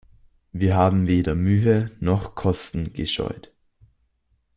Wir haben weder Mühe noch Kosten gescheut.